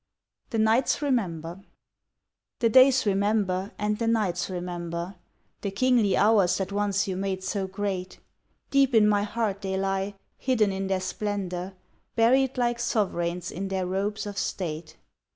The Nights Remember The days remember and the nights remember The kingly hours that once you made so great, Deep in my heart they lie, hidden in their splendor, Buried like sovereigns in their robes of state.